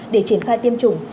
để triển khai tiêm chủng